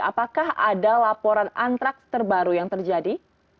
apakah ada laporan antraks terbaru yang terjadi